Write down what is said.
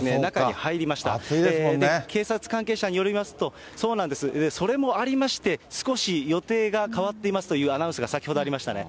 警察関係者によりますと、そうなんです、それもありまして、少し予定が変わっていますというアナウンスが先ほどありましたね。